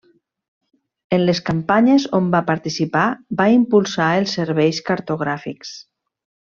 En les campanyes on va participar va impulsar els serveis cartogràfics.